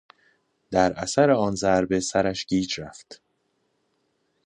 در اثر آن ضربه سرش گیچ رفت.